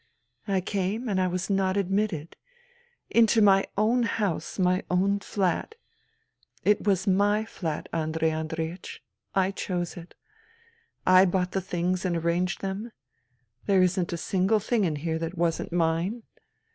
" I came, and I was not admitted. ... Into my own house, my own flat. It was my flat, Andrei Andreiech. I chose it. I bought the things and arranged them. There isn't a single thing in here that wasn't mine.